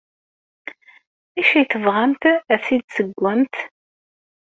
D acu ay tebɣamt ad t-id-tessewwemt?